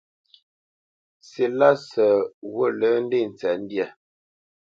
Silásə ghǔt lə́ ndé tsə̌tndyǎ.